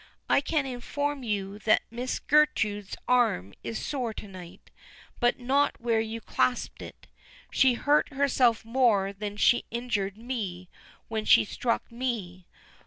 I can inform you that Miss Gertrude's arm is sore to night, but not where you clasped it. She hurt herself more than she injured me when she struck me.